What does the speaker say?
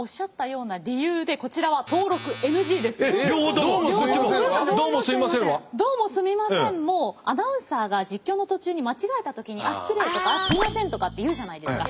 ドーモスミマセンもアナウンサーが実況の途中に間違えた時に「あっ失礼」とか「あっすいません」とかって言うじゃないですか。